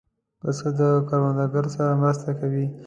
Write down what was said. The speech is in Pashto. پسه د کروندګر سره مرسته کوي.